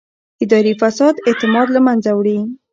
اداري فساد اعتماد له منځه وړي